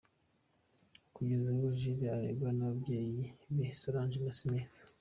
Kugeza ubu Julez arerwa n’ababyeyi be Solange na Smith.